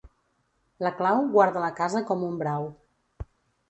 La clau guarda la casa com un brau.